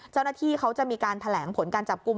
เจ้าหน้าที่เขาจะมีการแถลงผลการจับกลุ่ม